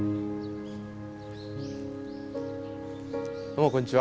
どうもこんにちは。